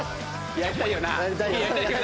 やりたいよな。